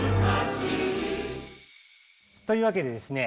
というわけでですね